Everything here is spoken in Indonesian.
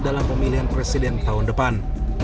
dalam pemilihan presiden tahun depan